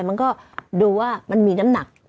มันก็ดูว่ามันมีน้ำหนัก